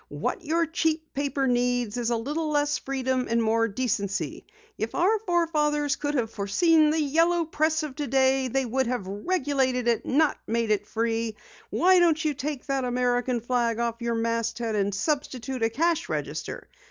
WHAT YOUR CHEAP PAPER NEEDS IS A LITTLE LESS FREEDOM AND MORE DECENCY. IF OUR FOREFATHERS COULD HAVE FORESEEN THE YELLOW PRESS OF TODAY THEY WOULD HAVE REGULATED IT, NOT MADE IT FREE. WHY DON'T YOU TAKE THAT AMERICAN FLAG OFF YOUR MASTHEAD AND SUBSTITUTE A CASH REGISTER?